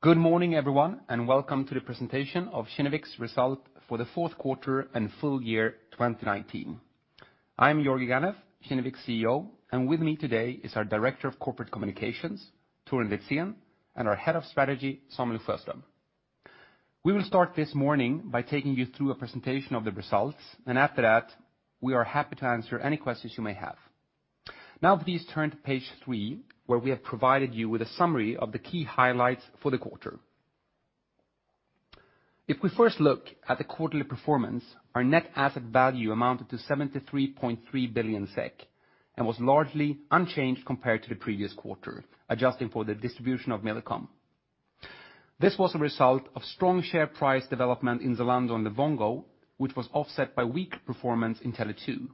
Good morning, everyone, and Welcome to the presentation of Kinnevik's result for the fourth quarter and full year 2019. I'm Georgi Ganev, Kinnevik's CEO, and with me today is our Director of Corporate Communications, Torun Litzén, and our Head of Strategy, Samuel Sjöström. We will start this morning by taking you through a presentation of the results, and after that, we are happy to answer any questions you may have. Now please turn to page three, where we have provided you with a summary of the key highlights for the quarter. If we first look at the quarterly performance, our net asset value amounted to 73.3 billion SEK, and was largely unchanged compared to the previous quarter, adjusting for the distribution of Millicom. This was a result of strong share price development in Zalando and Livongo, which was offset by weak performance in Tele2.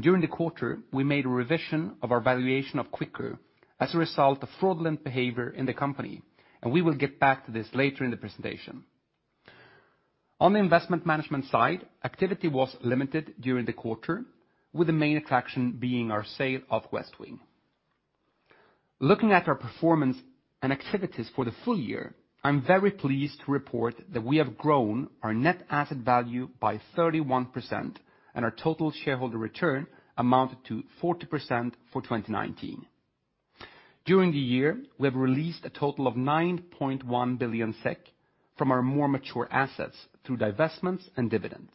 During the quarter, we made a revision of our valuation of Quikr as a result of fraudulent behavior in the company, and we will get back to this later in the presentation. On the investment management side, activity was limited during the quarter, with the main attraction being our sale of Westwing. Looking at our performance and activities for the full year, I'm very pleased to report that we have grown our net asset value by 31%, and our total shareholder return amounted to 40% for 2019. During the year, we have released a total of 9.1 billion SEK from our more mature assets through divestments and dividends.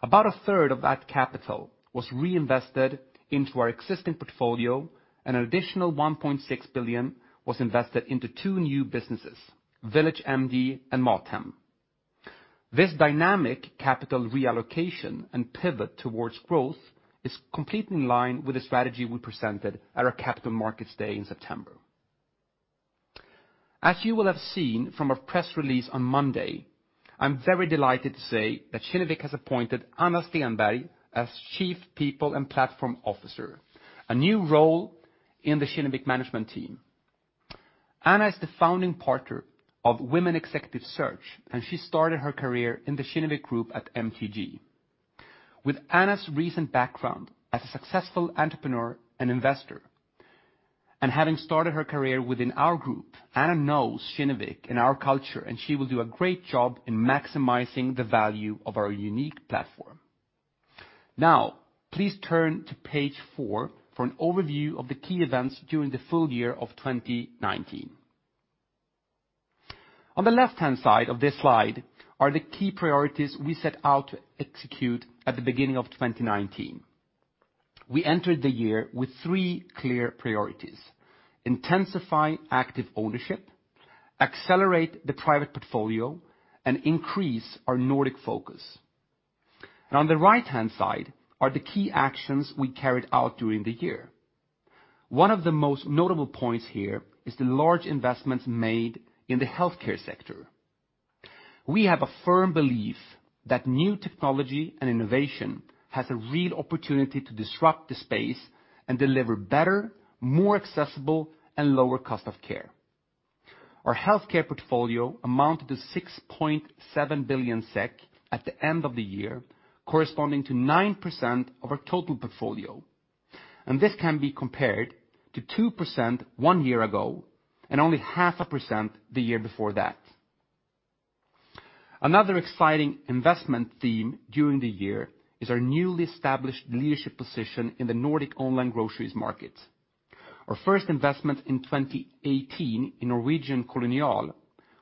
About a third of that capital was reinvested into our existing portfolio, an additional 1.6 billion was invested into two new businesses, VillageMD and MatHem. This dynamic capital reallocation and pivot towards growth is completely in line with the strategy we presented at our Capital Markets Day in September. As you will have seen from our press release on Monday, I'm very delighted to say that Kinnevik has appointed Anna Stenberg as Chief People and Platform Officer, a new role in the Kinnevik management team. Anna is the founding partner of Female Executive Search, and she started her career in the Kinnevik group at MTG. With Anna's recent background as a successful entrepreneur and investor, and having started her career within our group, Anna knows Kinnevik and our culture, and she will do a great job in maximizing the value of our unique platform. Now, please turn to page four for an overview of the key events during the full year of 2019. On the left-hand side of this slide are the key priorities we set out to execute at the beginning of 2019. We entered the year with three clear priorities. Intensify active ownership, accelerate the private portfolio, and increase our Nordic focus. On the right-hand side are the key actions we carried out during the year. One of the most notable points here is the large investments made in the healthcare sector. We have a firm belief that new technology and innovation has a real opportunity to disrupt the space and deliver better, more accessible, and lower cost of care. Our healthcare portfolio amounted to 6.7 billion SEK at the end of the year, corresponding to 9% of our total portfolio. This can be compared to 2% one year ago, and only half a percent the year before that. Another exciting investment theme during the year is our newly established leadership position in the Nordic online groceries market. Our first investment in 2018 in Norwegian Kolonial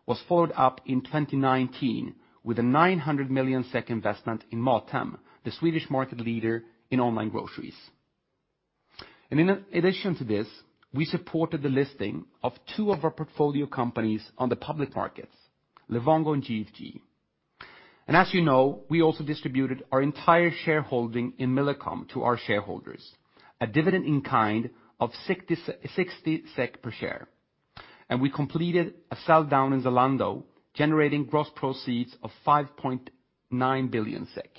was followed up in 2019 with a 900 million SEK investment in MatHem, the Swedish market leader in online groceries. In addition to this, we supported the listing of two of our portfolio companies on the public markets, Livongo and GFG. As you know, we also distributed our entire shareholding in Millicom to our shareholders, a dividend in kind of 60 SEK per share. We completed a sell-down in Zalando, generating gross proceeds of 5.9 billion SEK.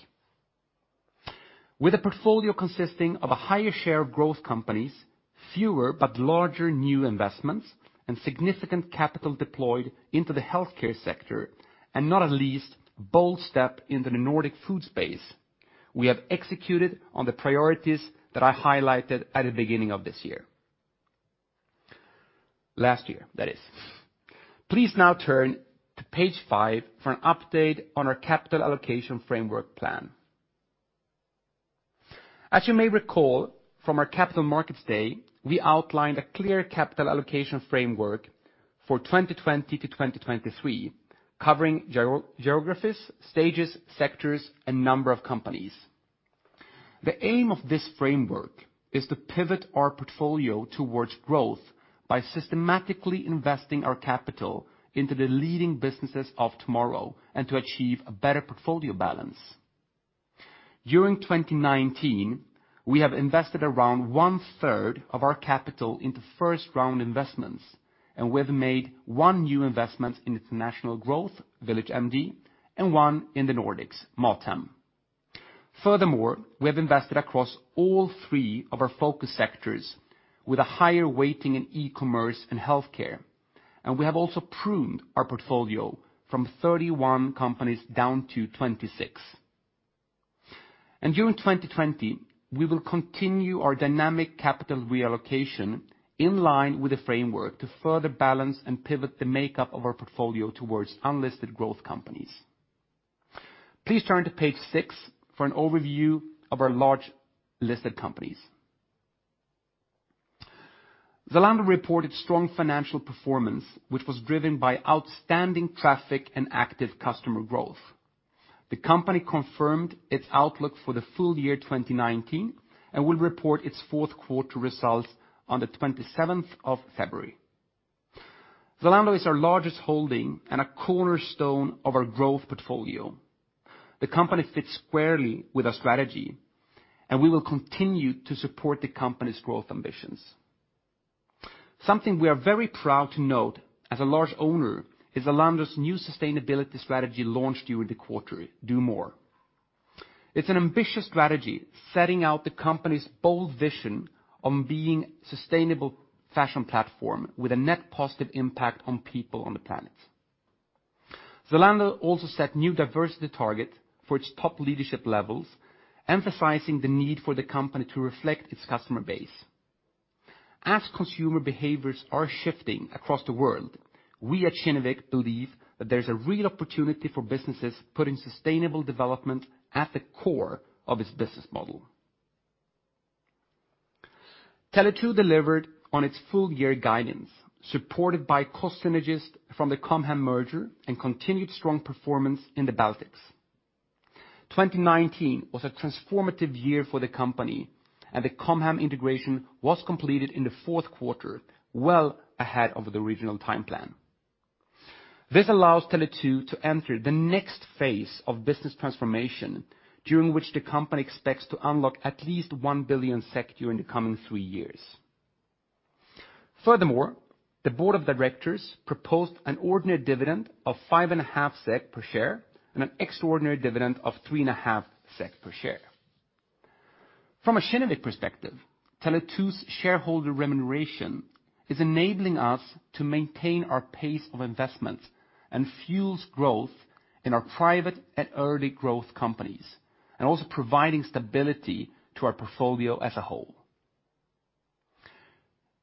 With a portfolio consisting of a higher share of growth companies, fewer but larger new investments, and significant capital deployed into the healthcare sector, and not at least bold step in the Nordic food space, we have executed on the priorities that I highlighted at the beginning of this year. Last year, that is. Please now turn to page five for an update on our capital allocation framework plan. As you may recall from our Capital Markets Day, we outlined a clear capital allocation framework for 2020 to 2023 covering geographies, stages, sectors, and number of companies. The aim of this framework is to pivot our portfolio towards growth by systematically investing our capital into the leading businesses of tomorrow and to achieve a better portfolio balance. During 2019, we have invested around 1/3 of our capital into first-round investments, and we have made one new investment in international growth, VillageMD, and one in the Nordics, MatHem. Furthermore, we have invested across all three of our focus sectors with a higher weighting in e-commerce and healthcare, and we have also pruned our portfolio from 31 companies down to 26. During 2020, we will continue our dynamic capital reallocation in line with the framework to further balance and pivot the makeup of our portfolio towards unlisted growth companies. Please turn to page six for an overview of our large listed companies. Zalando reported strong financial performance, which was driven by outstanding traffic and active customer growth. The company confirmed its outlook for the full year 2019 and will report its fourth quarter results on the 27th of February. Zalando is our largest holding and a cornerstone of our growth portfolio. The company fits squarely with our strategy, and we will continue to support the company's growth ambitions. Something we are very proud to note as a large owner is Zalando's new sustainability strategy launched during the quarter, do. MORE. It's an ambitious strategy, setting out the company's bold vision on being a sustainable fashion platform with a net positive impact on people on the planet. Zalando also set new diversity target for its top leadership levels, emphasizing the need for the company to reflect its customer base. As consumer behaviors are shifting across the world, we at Kinnevik believe that there's a real opportunity for businesses putting sustainable development at the core of its business model. Tele2 delivered on its full year guidance, supported by cost synergies from the Com Hem merger and continued strong performance in the Baltics. 2019 was a transformative year for the company, and the Com Hem integration was completed in the fourth quarter, well ahead of the regional time plan. This allows Tele2 to enter the next phase of business transformation, during which the company expects to unlock at least 1 billion SEK during the coming three years. Furthermore, the board of directors proposed an ordinary dividend of 5.5 per share and an extraordinary dividend of 3.5 per share. From a Kinnevik perspective, Tele2's shareholder remuneration is enabling us to maintain our pace of investment and fuels growth in our private and early growth companies, and also providing stability to our portfolio as a whole.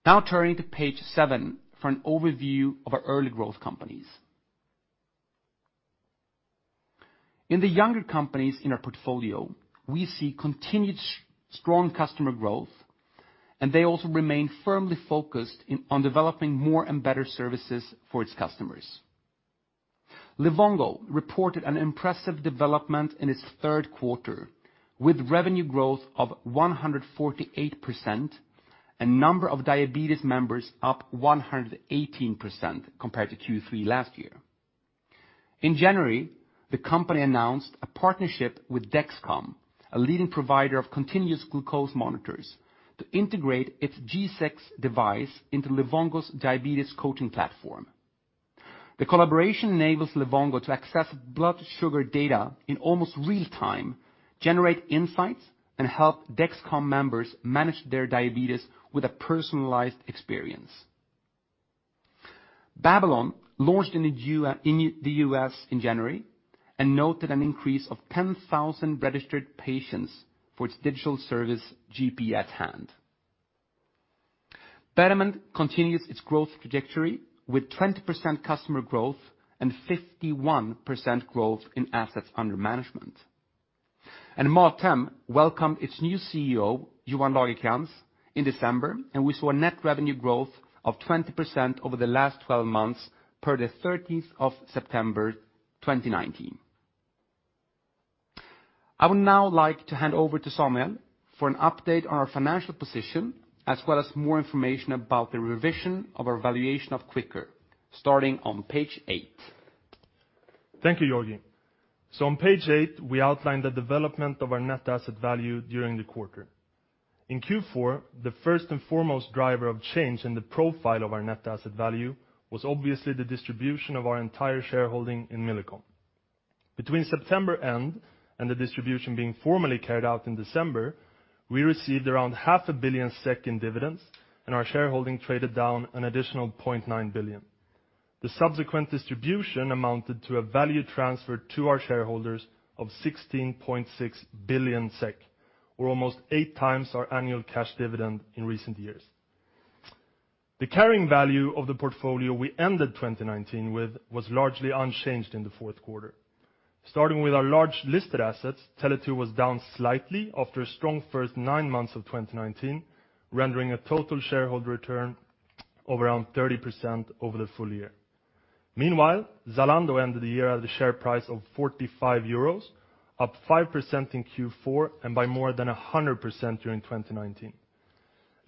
Now turning to page seven for an overview of our early growth companies. In the younger companies in our portfolio, we see continued strong customer growth. They also remain firmly focused on developing more and better services for its customers. Livongo reported an impressive development in its third quarter, with revenue growth of 148% and number of diabetes members up 118% compared to Q3 last year. In January, the company announced a partnership with Dexcom, a leading provider of continuous glucose monitors, to integrate its G6 device into Livongo's diabetes coaching platform. The collaboration enables Livongo to access blood sugar data in almost real time, generate insights, and help Dexcom members manage their diabetes with a personalized experience. Babylon launched in the U.S. in January and noted an increase of 10,000 registered patients for its digital service, GP at Hand. Betterment continues its growth trajectory with 20% customer growth and 51% growth in assets under management. MatHem welcomed its new CEO, Johan Lagercrantz, in December, and we saw a net revenue growth of 20% over the last 12 months per the 13th of September 2019. I would now like to hand over to Samuel for an update on our financial position, as well as more information about the revision of our valuation of Quikr, starting on page eight. Thank you, Georgi. On page eight, we outlined the development of our net asset value during the quarter. In Q4, the first and foremost driver of change in the profile of our net asset value was obviously the distribution of our entire shareholding in Millicom. Between September-end and the distribution being formally carried out in December, we received around half a billion SEK in dividends, and our shareholding traded down an additional 0.9 billion. The subsequent distribution amounted to a value transfer to our shareholders of 16.6 billion SEK, or almost eight times our annual cash dividend in recent years. The carrying value of the portfolio we ended 2019 with was largely unchanged in the fourth quarter. Starting with our large listed assets, Tele2 was down slightly after a strong first nine months of 2019, rendering a total shareholder return of around 30% over the full year. Zalando ended the year at a share price of 45 euros, up 5% in Q4, and by more than 100% during 2019.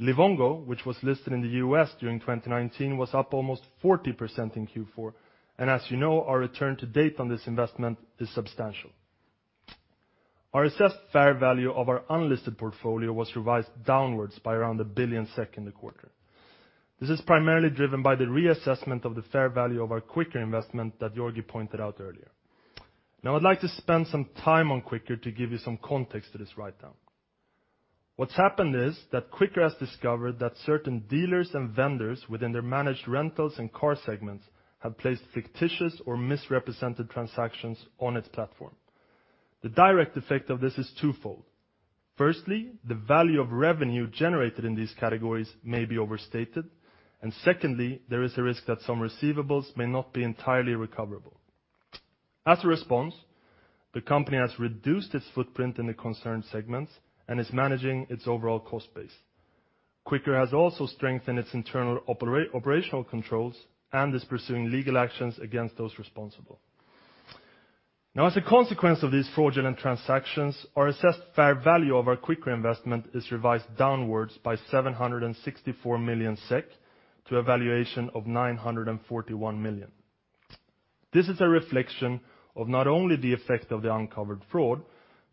Livongo, which was listed in the U.S. during 2019, was up almost 40% in Q4, as you know, our return to date on this investment is substantial. Our assessed fair value of our unlisted portfolio was revised downwards by around 1 billion SEK in the quarter. This is primarily driven by the reassessment of the fair value of our Quikr investment that Georgi pointed out earlier. I'd like to spend some time on Quikr to give you some context to this write down. What's happened is that Quikr has discovered that certain dealers and vendors within their managed rentals and car segments have placed fictitious or misrepresented transactions on its platform. The direct effect of this is twofold. Firstly, the value of revenue generated in these categories may be overstated, and secondly, there is a risk that some receivables may not be entirely recoverable. As a response, the company has reduced its footprint in the concerned segments and is managing its overall cost base. Quikr has also strengthened its internal operational controls and is pursuing legal actions against those responsible. As a consequence of these fraudulent transactions, our assessed fair value of our Quikr investment is revised downwards by 764 million SEK to a valuation of 941 million. This is a reflection of not only the effect of the uncovered fraud,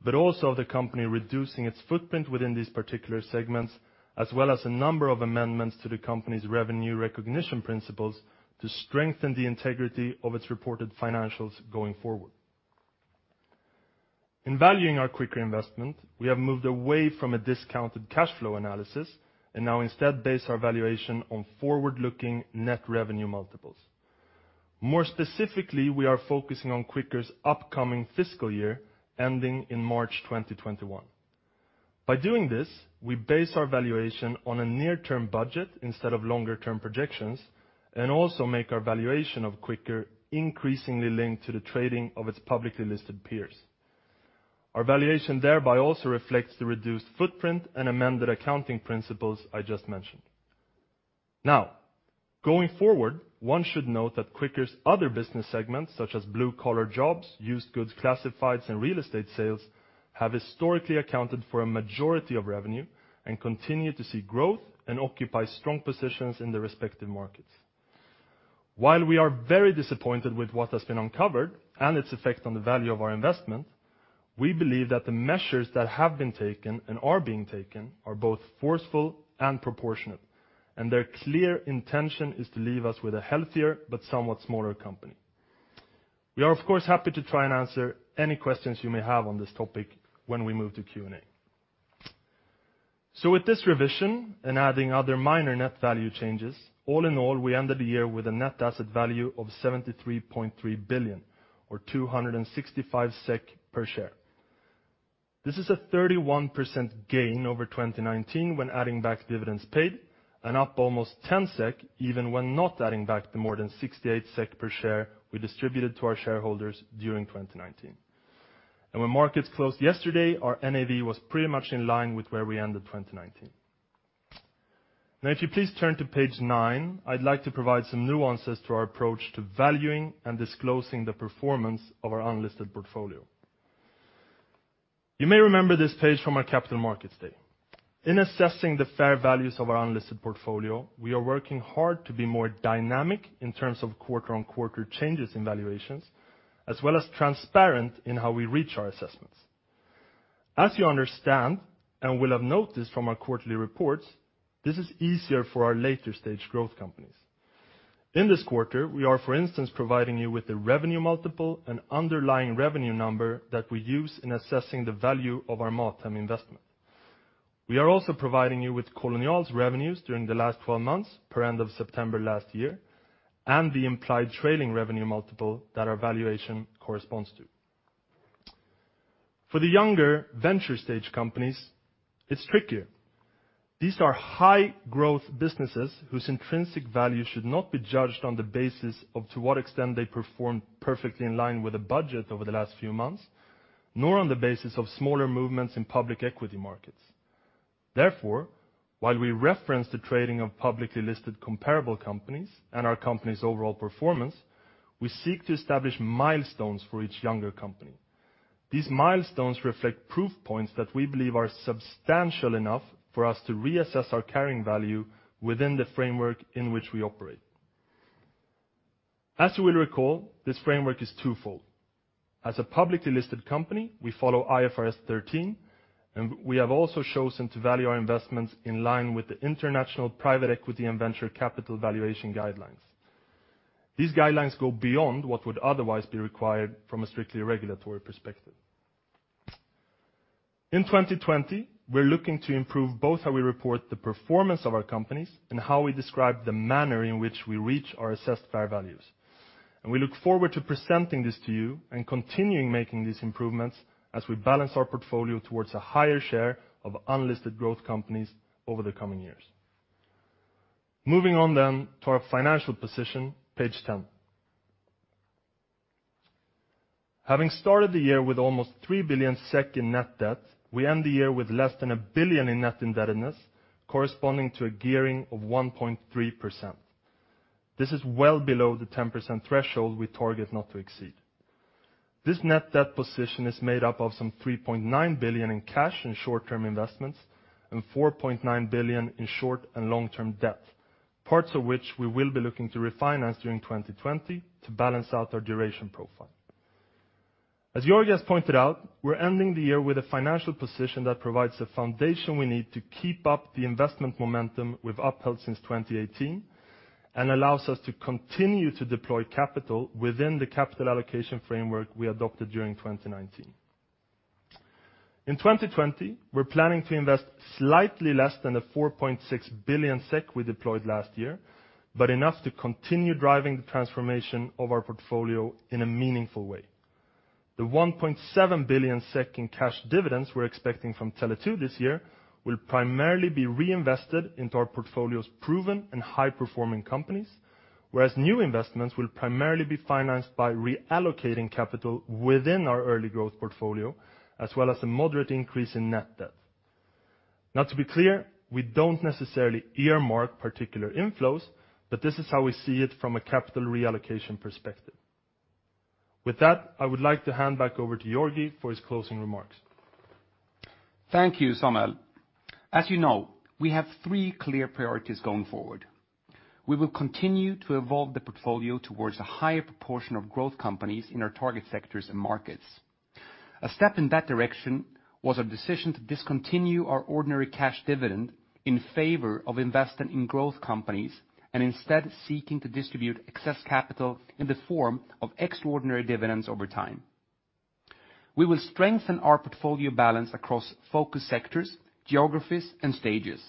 but also of the company reducing its footprint within these particular segments, as well as a number of amendments to the company's revenue recognition principles to strengthen the integrity of its reported financials going forward. In valuing our Quikr investment, we have moved away from a discounted cash flow analysis and now instead base our valuation on forward-looking net revenue multiples. More specifically, we are focusing on Quikr's upcoming fiscal year ending in March 2021. By doing this, we base our valuation on a near-term budget instead of longer-term projections, and also make our valuation of Quikr increasingly linked to the trading of its publicly listed peers. Our valuation thereby also reflects the reduced footprint and amended accounting principles I just mentioned. Going forward, one should note that Quikr's other business segments, such as blue-collar jobs, used goods classifieds, and real estate sales, have historically accounted for a majority of revenue and continue to see growth and occupy strong positions in their respective markets. While we are very disappointed with what has been uncovered and its effect on the value of our investment, we believe that the measures that have been taken and are being taken are both forceful and proportionate, and their clear intention is to leave us with a healthier but somewhat smaller company. We are, of course, happy to try and answer any questions you may have on this topic when we move to Q&A. With this revision and adding other minor net value changes, all in all, we ended the year with a net asset value of 73.3 billion or 265 SEK per share. This is a 31% gain over 2019 when adding back dividends paid and up almost 10 SEK even when not adding back the more than 68 SEK per share we distributed to our shareholders during 2019. When markets closed yesterday, our NAV was pretty much in line with where we ended 2019. If you please turn to page nine, I'd like to provide some nuances to our approach to valuing and disclosing the performance of our unlisted portfolio. You may remember this page from our capital markets day. In assessing the fair values of our unlisted portfolio, we are working hard to be more dynamic in terms of quarter-on-quarter changes in valuations, as well as transparent in how we reach our assessments. As you understand and will have noticed from our quarterly reports, this is easier for our later-stage growth companies. In this quarter, we are, for instance, providing you with the revenue multiple and underlying revenue number that we use in assessing the value of our MatHem investment. We are also providing you with Kolonial's revenues during the last 12 months, per end of September last year, and the implied trailing revenue multiple that our valuation corresponds to. For the younger venture-stage companies, it's trickier. These are high-growth businesses whose intrinsic value should not be judged on the basis of to what extent they performed perfectly in line with a budget over the last few months, nor on the basis of smaller movements in public equity markets. While we reference the trading of publicly listed comparable companies and our company's overall performance, we seek to establish milestones for each younger company. These milestones reflect proof points that we believe are substantial enough for us to reassess our carrying value within the framework in which we operate. As you will recall, this framework is twofold. As a publicly listed company, we follow IFRS 13, and we have also chosen to value our investments in line with the international private equity and venture capital valuation guidelines. These guidelines go beyond what would otherwise be required from a strictly regulatory perspective. In 2020, we're looking to improve both how we report the performance of our companies and how we describe the manner in which we reach our assessed fair values. We look forward to presenting this to you and continuing making these improvements as we balance our portfolio towards a higher share of unlisted growth companies over the coming years. To our financial position, page 10. Having started the year with almost 3 billion SEK in net debt, we end the year with less than 1 billion in net indebtedness, corresponding to a gearing of 1.3%. This is well below the 10% threshold we target not to exceed. This net debt position is made up of some 3.9 billion in cash and short-term investments and 4.9 billion in short and long-term debt, parts of which we will be looking to refinance during 2020 to balance out our duration profile. As Georgi has pointed out, we're ending the year with a financial position that provides the foundation we need to keep up the investment momentum we've upheld since 2018 and allows us to continue to deploy capital within the capital allocation framework we adopted during 2019. In 2020, we're planning to invest slightly less than the 4.6 billion SEK we deployed last year, but enough to continue driving the transformation of our portfolio in a meaningful way. The 1.7 billion in cash dividends we're expecting from Tele2 this year will primarily be reinvested into our portfolio's proven and high-performing companies, whereas new investments will primarily be financed by reallocating capital within our early growth portfolio, as well as a moderate increase in net debt. Now to be clear, we don't necessarily earmark particular inflows, but this is how we see it from a capital reallocation perspective. With that, I would like to hand back over to Georgi for his closing remarks. Thank you, Samuel. As you know, we have three clear priorities going forward. We will continue to evolve the portfolio towards a higher proportion of growth companies in our target sectors and markets. A step in that direction was a decision to discontinue our ordinary cash dividend in favor of investing in growth companies and instead seeking to distribute excess capital in the form of extraordinary dividends over time. We will strengthen our portfolio balance across focus sectors, geographies, and stages.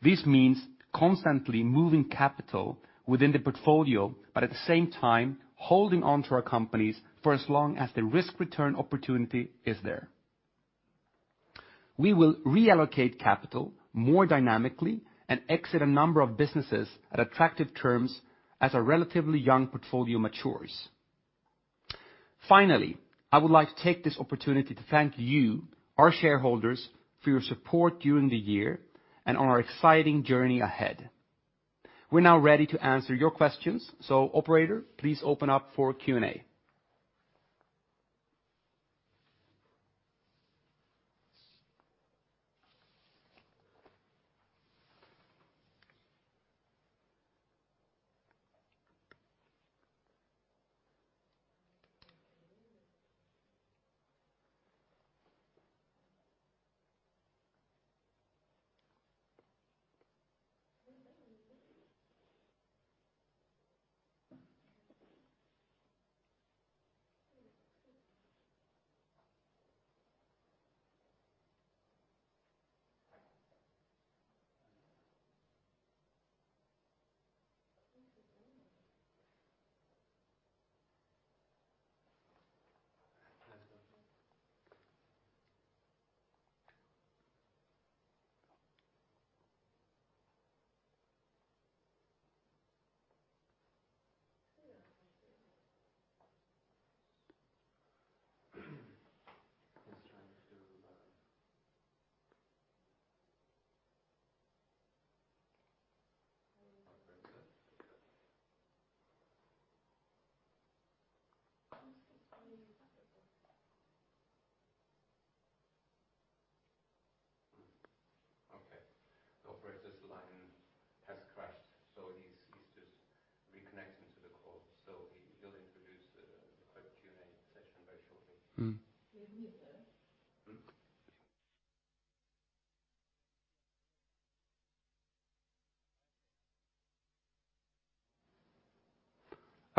This means constantly moving capital within the portfolio, but at the same time, holding onto our companies for as long as the risk-return opportunity is there. We will reallocate capital more dynamically and exit a number of businesses at attractive terms as our relatively young portfolio matures. Finally, I would like to take this opportunity to thank you, our shareholders, for your support during the year and on our exciting journey ahead. We're now ready to answer your questions. Operator, please open up for Q&A. Okay. The operator's line has crashed, so he's just reconnecting to the call. He'll introduce the Q&A session very shortly.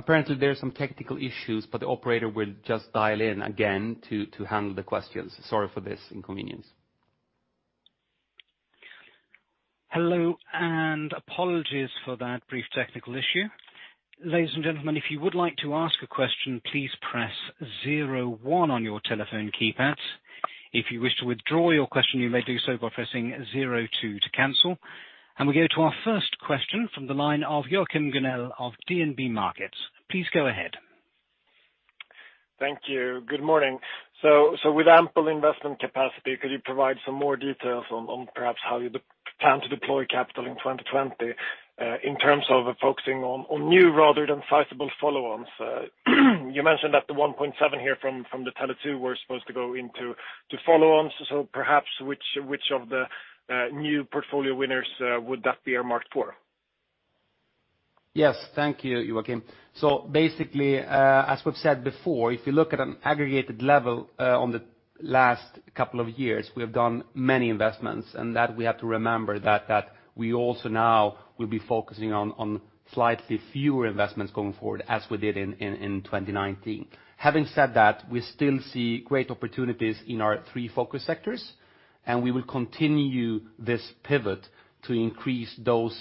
Apparently, there are some technical issues, but the operator will just dial in again to handle the questions. Sorry for this inconvenience. Hello. Apologies for that brief technical issue. Ladies and gentlemen, if you would like to ask a question, please press zero one on your telephone keypads. If you wish to withdraw your question, you may do so by pressing zero two to cancel. We go to our first question from the line of Joachim Gunell of DNB Markets. Please go ahead. Thank you. Good morning. With ample investment capacity, could you provide some more details on perhaps how you plan to deploy capital in 2020, in terms of focusing on new rather than sizable follow-ons? You mentioned that the 1.7 here from the Tele2 were supposed to go into follow-ons. Perhaps which of the new portfolio winners would that be earmarked for? Yes. Thank you, Joachim. Basically, as we've said before, if you look at an aggregated level on the last couple of years, we have done many investments, and that we have to remember that we also now will be focusing on slightly fewer investments going forward, as we did in 2019. Having said that, we still see great opportunities in our three focus sectors, and we will continue this pivot to increase those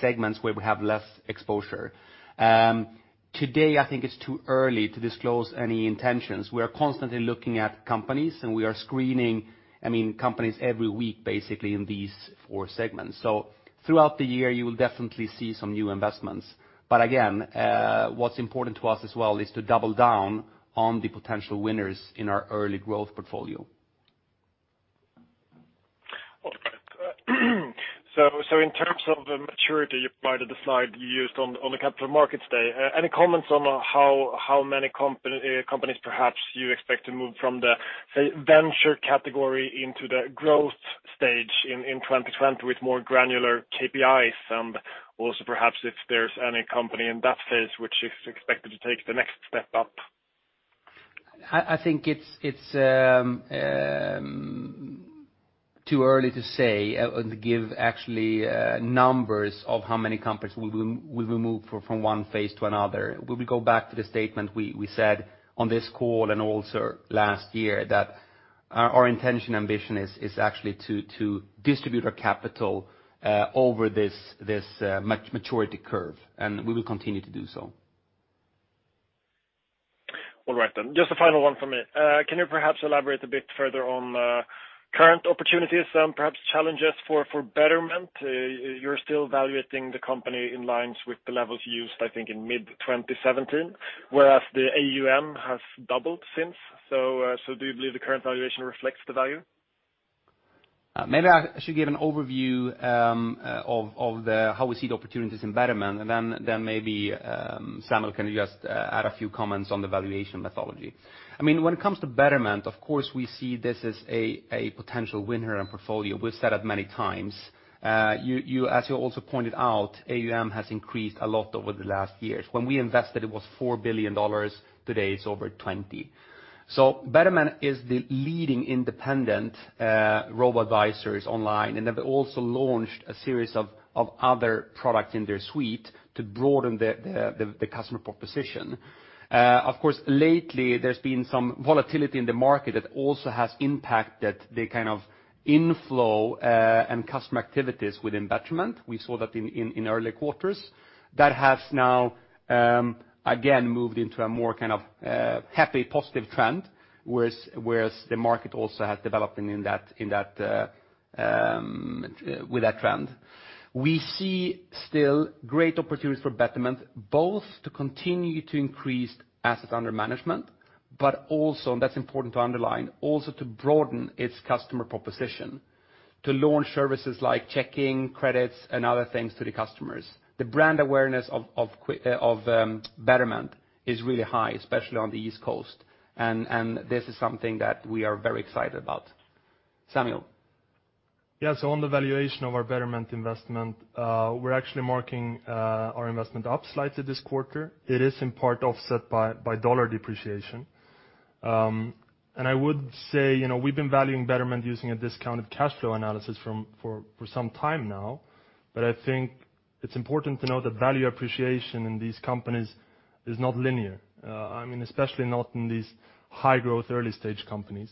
segments where we have less exposure. Today, I think it's too early to disclose any intentions. We are constantly looking at companies, and we are screening companies every week, basically, in these four segments. Throughout the year, you will definitely see some new investments. Again, what's important to us as well is to double down on the potential winners in our early growth portfolio. In terms of maturity, part of the slide you used on the Capital Markets Day, any comments on how many companies perhaps you expect to move from the venture category into the growth stage in 2020 with more granular KPIs and also perhaps if there's any company in that phase which is expected to take the next step up? I think it's too early to say and give actually numbers of how many companies we will move from one phase to another. We will go back to the statement we said on this call and also last year that our intention ambition is actually to distribute our capital over this maturity curve. We will continue to do so. All right. Just a final one from me. Can you perhaps elaborate a bit further on current opportunities and perhaps challenges for Betterment? You're still evaluating the company in lines with the levels used, I think, in mid-2017, whereas the AUM has doubled since. Do you believe the current valuation reflects the value? Maybe I should give an overview of how we see the opportunities in Betterment, and then maybe Samuel can just add a few comments on the valuation methodology. When it comes to Betterment, of course, we see this as a potential winner in portfolio. We've said it many times. As you also pointed out, AUM has increased a lot over the last years. When we invested, it was $4 billion. Today, it's over $20 billion. Betterment is the leading independent robo-advisors online, and they've also launched a series of other products in their suite to broaden the customer proposition. Of course, lately, there's been some volatility in the market that also has impacted the kind of inflow and customer activities within Betterment. We saw that in earlier quarters. That has now, again, moved into a more kind of happy, positive trend, whereas the market also has developed with that trend. We see still great opportunities for Betterment, both to continue to increase assets under management, but also, and that's important to underline, also to broaden its customer proposition, to launch services like checking credits and other things to the customers. The brand awareness of Betterment is really high, especially on the East Coast. This is something that we are very excited about. Samuel. On the valuation of our Betterment investment, we're actually marking our investment up slightly this quarter. It is in part offset by dollar depreciation. I would say we've been valuing Betterment using a discounted cash flow analysis for some time now, but I think it's important to note that value appreciation in these companies is not linear, especially not in these high-growth early-stage companies.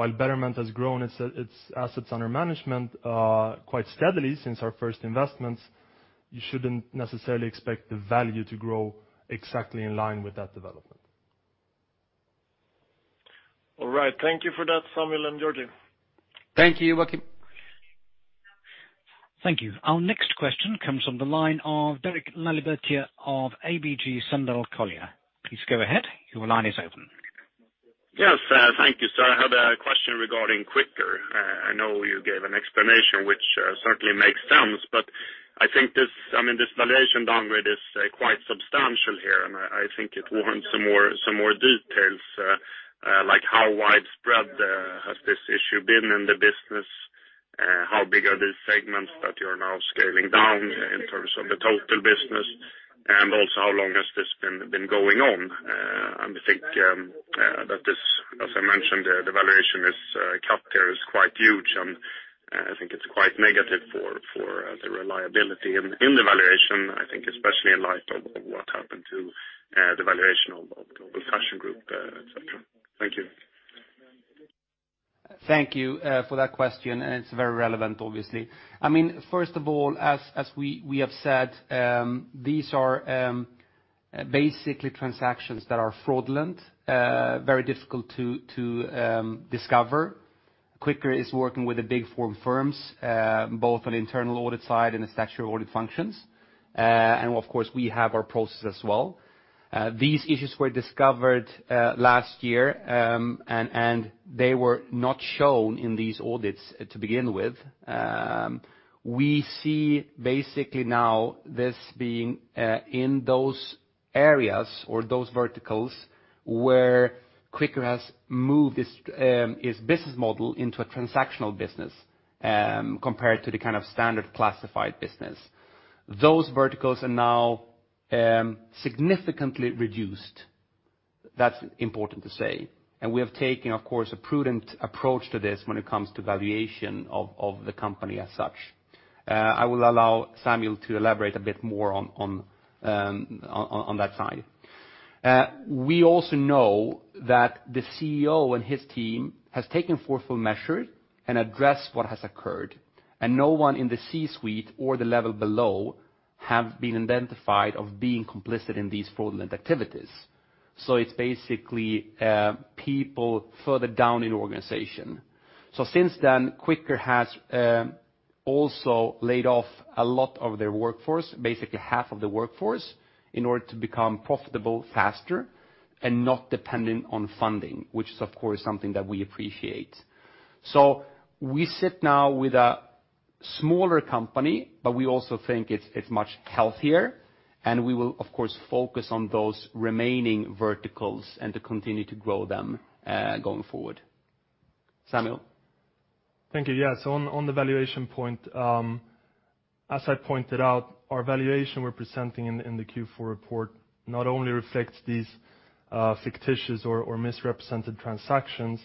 While Betterment has grown its assets under management quite steadily since our first investments, you shouldn't necessarily expect the value to grow exactly in line with that development. All right. Thank you for that, Samuel and Georgi. Thank you, Joachim. Thank you. Our next question comes from the line of Derek Laliberté of ABG Sundal Collier. Please go ahead. Your line is open. Yes, thank you. I have a question regarding Quikr. I know you gave an explanation which certainly makes sense, but I think this valuation downgrade is quite substantial here, and I think it warrants some more details, like how widespread has this issue been in the business? How big are these segments that you're now scaling down in terms of the total business, and also, how long has this been going on? I think that this, as I mentioned, the valuation cut there is quite huge, and I think it's quite negative for the reliability in the valuation, I think especially in light of what happened to the valuation of Global Fashion Group, et cetera. Thank you. Thank you for that question, and it's very relevant, obviously. First of all, as we have said, these are basically transactions that are fraudulent, very difficult to discover. Quikr is working with the Big Four firms, both on internal audit side and the statutory audit functions. Of course, we have our process as well. These issues were discovered last year, and they were not shown in these audits to begin with. We see basically now this being in those areas or those verticals where Quikr has moved its business model into a transactional business compared to the kind of standard classified business. Those verticals are now significantly reduced. That's important to say. We have taken, of course, a prudent approach to this when it comes to valuation of the company as such. I will allow Samuel to elaborate a bit more on that side. We also know that the CEO and his team has taken forceful measures and addressed what has occurred, and no one in the C-suite or the level below have been identified of being complicit in these fraudulent activities. It's basically people further down in the organization. Since then, Quikr has also laid off a lot of their workforce, basically half of the workforce, in order to become profitable faster and not dependent on funding, which is, of course, something that we appreciate. We sit now with a smaller company, but we also think it's much healthier, and we will of course focus on those remaining verticals and to continue to grow them going forward. Samuel? Thank you. Yeah. On the valuation point, as I pointed out, our valuation we're presenting in the Q4 report not only reflects these fictitious or misrepresented transactions,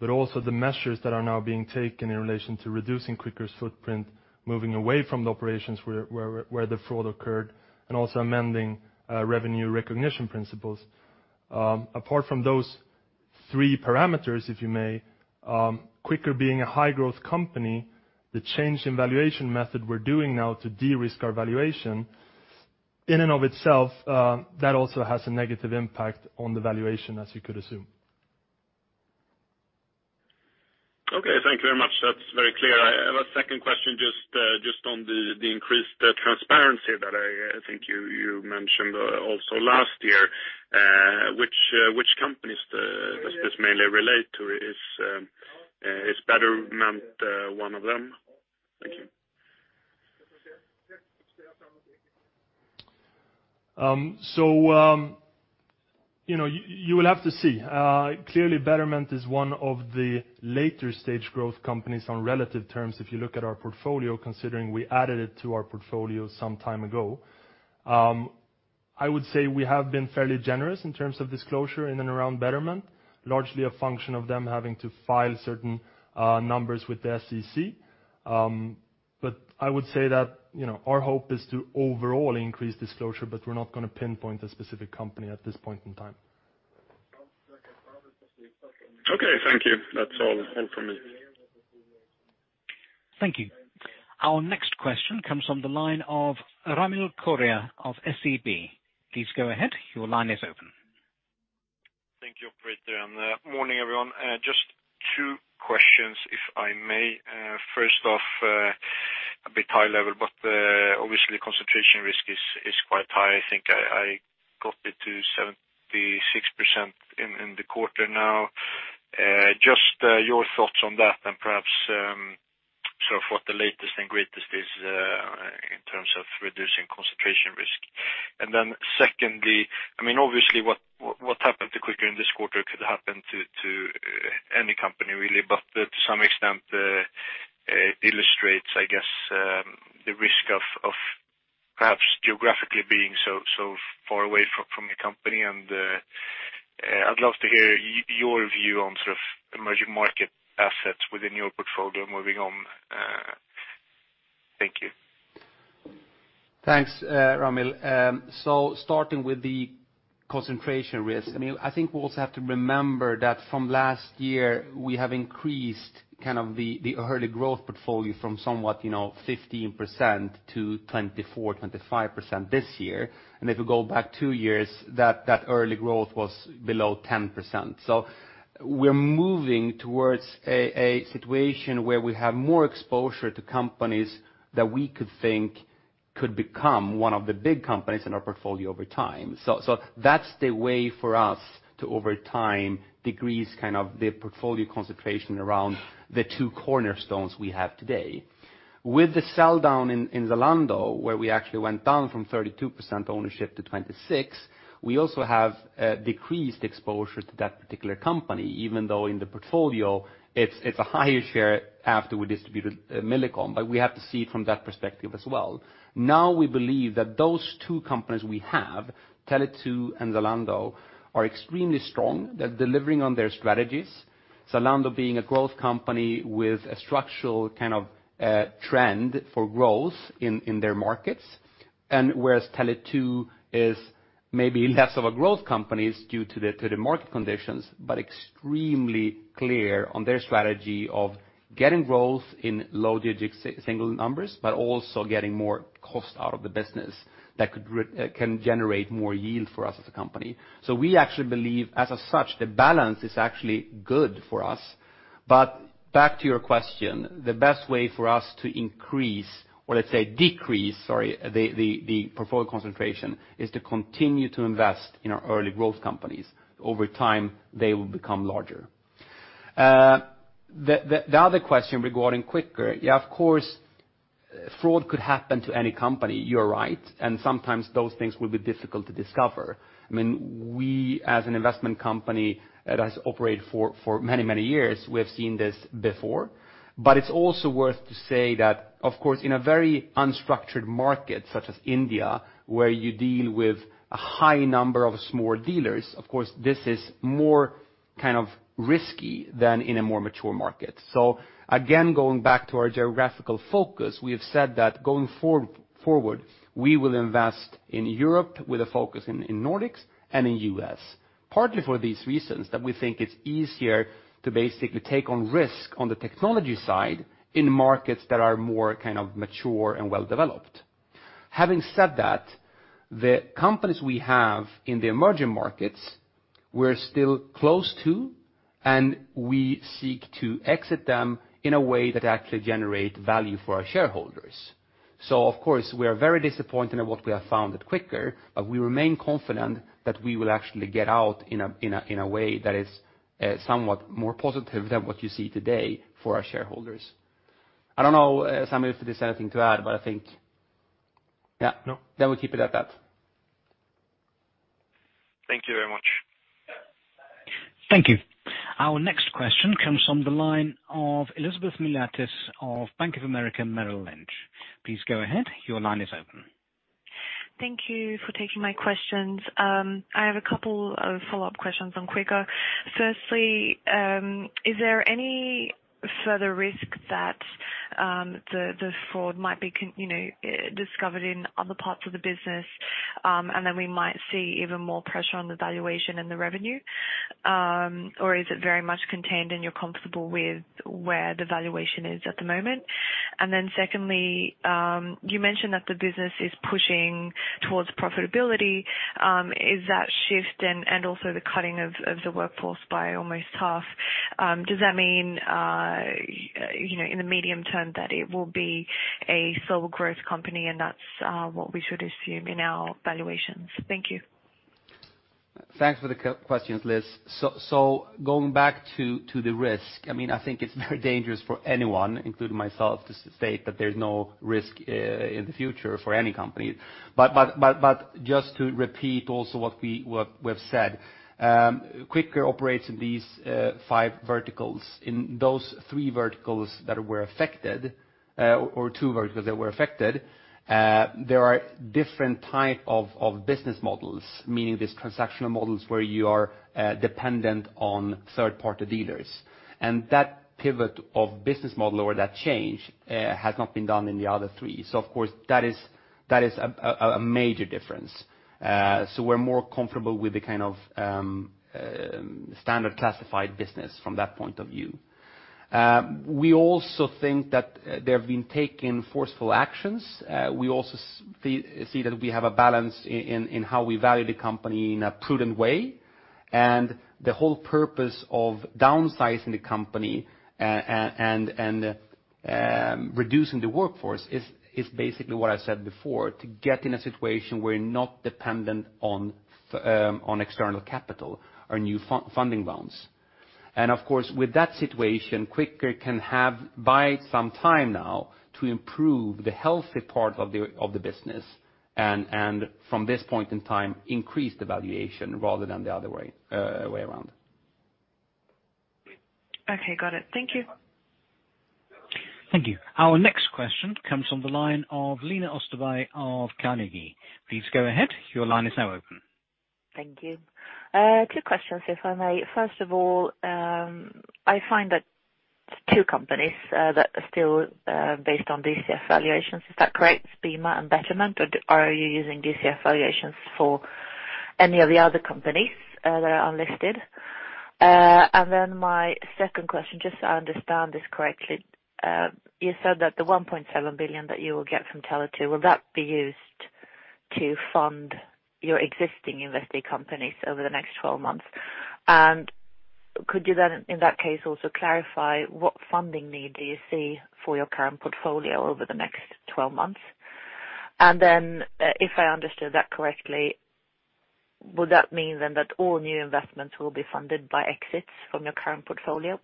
but also the measures that are now being taken in relation to reducing Quikr's footprint, moving away from the operations where the fraud occurred, and also amending revenue recognition principles. Apart from those three parameters, if you may, Quikr being a high growth company, the change in valuation method we're doing now to de-risk our valuation, in and of itself, that also has a negative impact on the valuation as you could assume. Okay, thank you very much. That's very clear. I have a second question just on the increased transparency that I think you mentioned also last year. Which companies does this mainly relate to? Is Betterment one of them? Thank you. You will have to see. Clearly, Betterment is one of the later stage growth companies on relative terms if you look at our portfolio, considering we added it to our portfolio some time ago. I would say we have been fairly generous in terms of disclosure in and around Betterment, largely a function of them having to file certain numbers with the SEC. I would say that our hope is to overall increase disclosure, but we're not going to pinpoint a specific company at this point in time. Okay, thank you. That's all from me. Thank you. Our next question comes from the line of Ramil Koria of SEB. Please go ahead. Your line is open. Thank you, operator. Morning everyone. Just two questions, if I may. First off, a bit high level, but obviously concentration risk is quite high. I think I got it to 76% in the quarter now. Just your thoughts on that and perhaps, what the latest and greatest is in terms of reducing concentration risk. Secondly, obviously what happened to Quikr in this quarter could happen to any company really, but to some extent illustrates, I guess, the risk of perhaps geographically being so far away from the company and I'd love to hear your view on emerging market assets within your portfolio moving on. Thank you. Thanks, Ramil. Starting with the concentration risk, I think we also have to remember that from last year we have increased the early growth portfolio from somewhat 15% to 24%-25% this year. If we go back two years, that early growth was below 10%. We're moving towards a situation where we have more exposure to companies that we could think could become one of the big companies in our portfolio over time. That's the way for us to, over time, decrease the portfolio concentration around the two cornerstones we have today. With the sell-down in Zalando, where we actually went down from 32% ownership to 26%, we also have decreased exposure to that particular company, even though in the portfolio it's a higher share after we distributed Millicom, we have to see it from that perspective as well. We believe that those two companies we have, Tele2 and Zalando, are extremely strong. They're delivering on their strategies, Zalando being a growth company with a structural trend for growth in their markets, and whereas Tele2 is maybe less of a growth company due to the market conditions, but extremely clear on their strategy of getting growth in low digit single numbers, but also getting more cost out of the business that can generate more yield for us as a company. We actually believe as such, the balance is actually good for us. Back to your question, the best way for us to increase or let's say decrease, sorry, the portfolio concentration is to continue to invest in our early growth companies. Over time, they will become larger. The other question regarding Quikr, yeah, of course, fraud could happen to any company, you're right, and sometimes those things will be difficult to discover. I mean, we as an investment company that has operated for many years, we've seen this before, but it's also worth to say that of course, in a very unstructured market such as India, where you deal with a high number of small dealers, of course this is more risky than in a more mature market. Again, going back to our geographical focus, we have said that going forward we will invest in Europe with a focus in Nordics and in U.S., partly for these reasons that we think it's easier to basically take on risk on the technology side in markets that are more mature and well-developed. Having said that, the companies we have in the emerging markets, we're still close to, and we seek to exit them in a way that actually generate value for our shareholders. Of course, we are very disappointed at what we have found at Quikr, but we remain confident that we will actually get out in a way that is somewhat more positive than what you see today for our shareholders. I don't know, Samuel, if there is anything to add. Yeah? No. We'll keep it at that. Thank you very much. Thank you. Our next question comes from the line of Elizabeth Miliatis of Bank of America Merrill Lynch. Please go ahead. Your line is open. Thank you for taking my questions. I have a couple of follow-up questions on Quikr. Firstly, is there any further risk that the fraud might be discovered in other parts of the business, and then we might see even more pressure on the valuation and the revenue? Or is it very much contained and you're comfortable with where the valuation is at the moment? Secondly, you mentioned that the business is pushing towards profitability. Is that shift and also the cutting of the workforce by almost half, does that mean, in the medium term, that it will be a sole growth company and that's what we should assume in our valuations? Thank you. Thanks for the questions, Elizabeth. Going back to the risk, I think it's very dangerous for anyone, including myself, to state that there's no risk in the future for any company. Just to repeat also what we've said. Quikr operates in these five verticals. In those three verticals that were affected, or two verticals that were affected, there are different type of business models, meaning these transactional models where you are dependent on third-party dealers. That pivot of business model or that change has not been done in the other three. Of course, that is a major difference. We're more comfortable with the kind of standard classified business from that point of view. We also think that there have been taken forceful actions. We also see that we have a balance in how we value the company in a prudent way. The whole purpose of downsizing the company and reducing the workforce is basically what I said before, to get in a situation we're not dependent on external capital or new funding rounds. Of course, with that situation, Quikr can buy some time now to improve the healthy part of the business and from this point in time, increase the valuation rather than the other way around. Okay, got it. Thank you. Thank you. Our next question comes from the line of Lena Österberg of Carnegie. Please go ahead. Your line is now open. Thank you. Two questions, if I may. First of all, I find that two companies that are still based on DCF valuations, is that correct? BIMA and Betterment, or are you using DCF valuations for any of the other companies that are unlisted? My second question, just so I understand this correctly. You said that the 1.7 billion that you will get from Tele2, will that be used to fund your existing investee companies over the next 12 months? Could you then, in that case, also clarify what funding need do you see for your current portfolio over the next 12 months? If I understood that correctly, would that mean then that all new investments will be funded by exits from your current portfolio?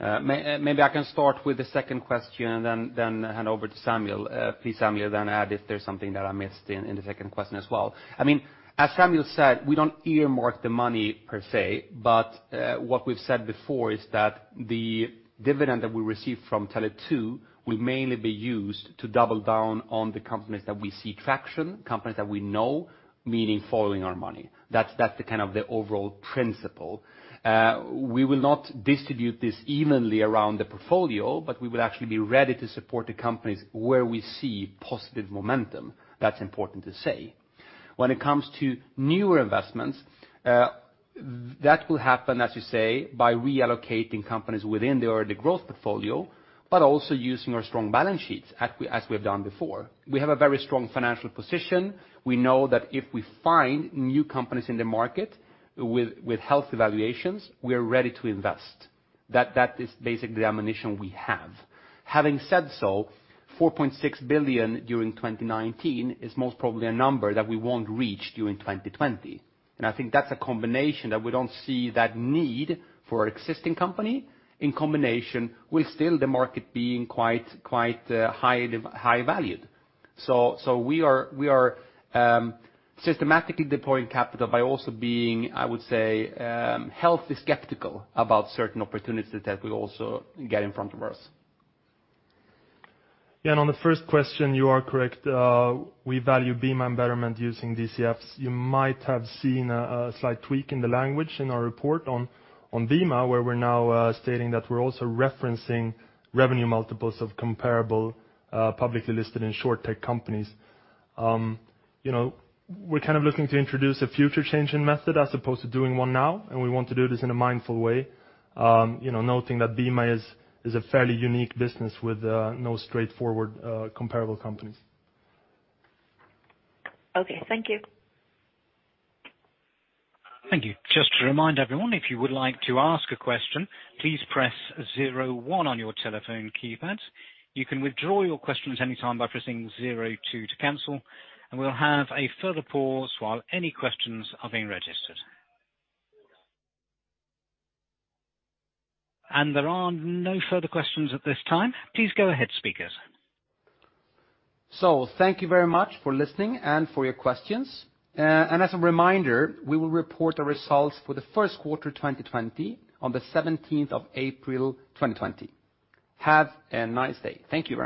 Maybe I can start with the second question and then hand over to Samuel. Please, Samuel, then add if there's something that I missed in the second question as well. As Samuel said, we don't earmark the money per se, but what we've said before is that the dividend that we receive from Tele2 will mainly be used to double down on the companies that we see traction, companies that we know, meaning following our money. That's the kind of the overall principle. We will not distribute this evenly around the portfolio, but we will actually be ready to support the companies where we see positive momentum. That's important to say. When it comes to newer investments, that will happen, as you say, by reallocating companies within the early growth portfolio, but also using our strong balance sheets as we've done before. We have a very strong financial position. We know that if we find new companies in the market with healthy valuations, we are ready to invest. That is basically the ammunition we have. Having said so, 4.6 billion during 2019 is most probably a number that we won't reach during 2020. I think that's a combination that we don't see that need for existing company in combination with still the market being quite high valued. We are systematically deploying capital by also being, I would say, healthy skeptical about certain opportunities that we also get in front of us. Yeah, and on the first question, you are correct. We value BIMA and Betterment using DCFs. You might have seen a slight tweak in the language in our report on BIMA, where we're now stating that we're also referencing revenue multiples of comparable publicly listed and short tech companies. We're kind of looking to introduce a future change in method as opposed to doing one now, and we want to do this in a mindful way, noting that BIMA is a fairly unique business with no straightforward comparable companies. Okay. Thank you. Thank you. Just to remind everyone, if you would like to ask a question, please press 01 on your telephone keypad. You can withdraw your questions any time by pressing 02 to cancel. We'll have a further pause while any questions are being registered. There are no further questions at this time. Please go ahead, speakers. Thank you very much for listening and for your questions. As a reminder, we will report the results for the first quarter 2020 on the 17th of April 2020. Have a nice day. Thank you.